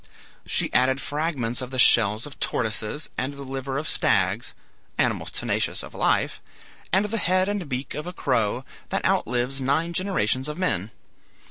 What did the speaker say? She added fragments of the shells of tortoises, and the liver of stags, animals tenacious of life, and the head and beak of a crow, that outlives nine generations of men.